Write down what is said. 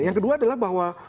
yang kedua adalah bahwa